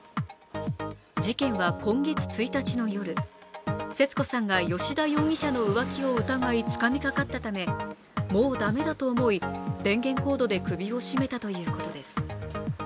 事件は今月１日の夜節子さんが吉田容疑者の浮気を疑いつかみかかったため、もう駄目だと思い電源コードで首を絞めたということです。